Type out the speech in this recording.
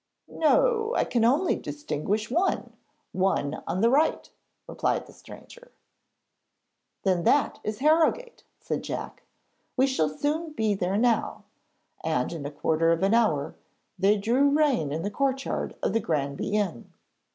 'No; I can only distinguish one one on the right,' replied the stranger. 'Then that is Harrogate,' said Jack. 'We shall soon be there now,' and in a quarter of an hour they drew rein in the courtyard of the Granby inn.